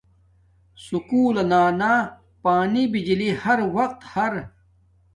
سکُول لنا پانی بجلی ہر وقت ہر